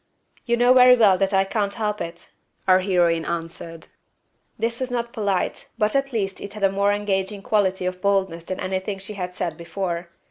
"You know very well that I can't help it," our heroine answered. This was not polite, but at least it had a more engaging quality of boldness than anything she had said before.